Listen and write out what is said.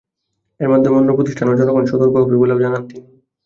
এর মাধ্যমে অন্য প্রতিষ্ঠান ও জনগণ সতর্ক হবে বলেও জানান তিনি।